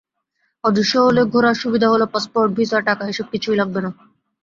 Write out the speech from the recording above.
অদৃশ্য হলে ঘোরার সুবিধা হলো পাসপোর্ট, ভিসা, টাকা—এসব কিছুই লাগবে না।